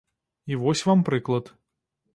І вось вам прыклад.